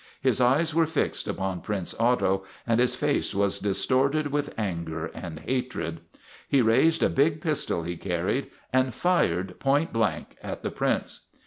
His eyes were fixed upon Prince Otto, and his face was distorted with anger and hatred. He raised a big pistol he carried and fired point blank at the Prince.